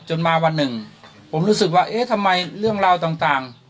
มาวันหนึ่งผมรู้สึกว่าเอ๊ะทำไมเรื่องราวต่าง